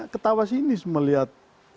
ketawa sinis melihat